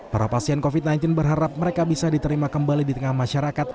para pasien covid sembilan belas berharap mereka bisa diterima kembali di tengah masyarakat